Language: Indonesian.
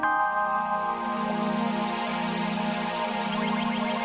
hari ini bang markus